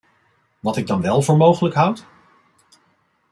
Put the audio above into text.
Wat ik dan wel voor mogelijk houd?